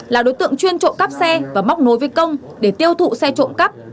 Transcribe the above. là đối tượng chuyên trộm cắp xe và móc nối với công để tiêu thụ xe trộm cắp